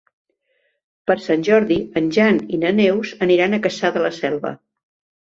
Per Sant Jordi en Jan i na Neus aniran a Cassà de la Selva.